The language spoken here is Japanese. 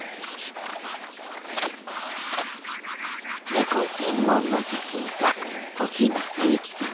猫専門の写真家沖昌之さん。